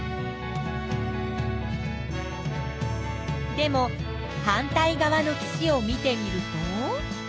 でも反対側の岸を見てみると。